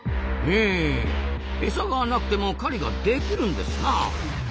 へえ餌がなくても狩りができるんですなあ。